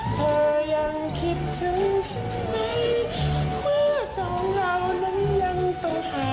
สวัสดีค่ะพี่ดีค่ะ